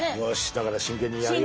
だから真剣にやるよ。